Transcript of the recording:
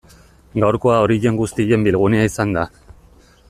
Gaurkoa horien guztien bilgunea izan da.